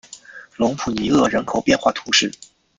隆普尼厄人口变化图示